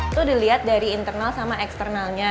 itu dilihat dari internal sama eksternalnya